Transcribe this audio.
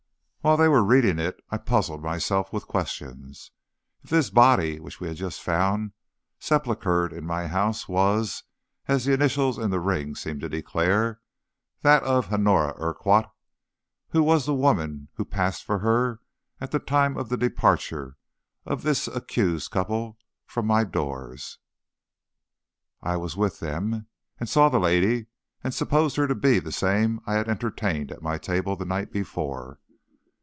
While they were reading it, I puzzled myself with questions. If this body which we had just found sepulchered in my house was, as the initials in the ring seemed to declare, that of Honora Urquhart, who was the woman who passed for her at the time of the departure of this accused couple from my doors? I was with them, and saw the lady, and supposed her to be the same I had entertained at my table the night before.